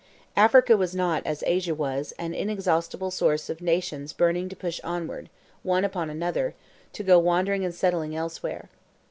Africa was not, as Asia was, an inexhaustible source of nations burning to push onward, one upon another, to go wandering and settling elsewhere.